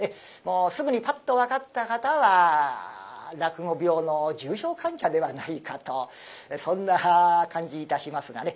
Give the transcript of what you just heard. すぐにパッと分かった方は落語病の重症患者ではないかとそんな感じいたしますがね。